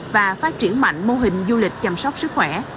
và phát triển mạnh mô hình du lịch chăm sóc sức khỏe